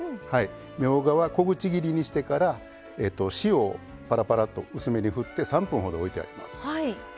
みょうがは小口切りにしてから塩をぱらぱらっと薄めにふって３分ほどおいてあります。